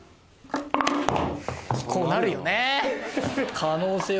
こうなるよね。